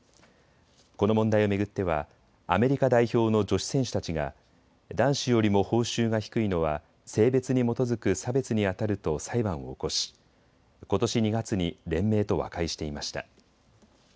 この問題を巡ってはアメリカ代表の女子選手たちが男子よりも報酬が低いのは性別に基づく差別にあたると裁判を起こし、ことし２月に連盟と和解していました。